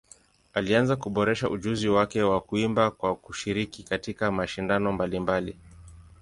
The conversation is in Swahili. Alianza kuboresha ujuzi wake wa kuimba kwa kushiriki katika mashindano mbalimbali.